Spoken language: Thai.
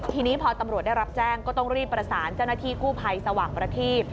ทีนี้พอตำรวจได้รับแจ้งก็ต้องรีบประสานเจ้าหน้าที่กู้ภัยสว่างประทีบ